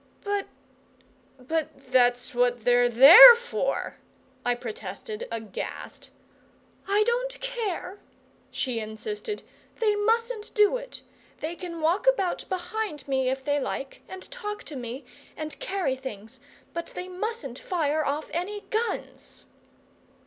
"But but that's what they're THERE for," I protested, aghast. "I don't care," she insisted. "They mustn't do it. They can walk about behind me if they like, and talk to me, and carry things. But they mustn't fire off any guns."